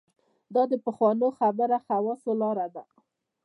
دا د پخوانو خبره خواصو لاره ده.